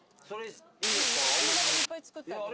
お友達いっぱいつくってあげるね。